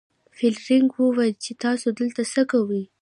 فلیریک وویل چې تاسو دلته څه کوئ.